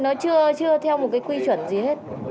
nó chưa theo một cái quy chuẩn gì hết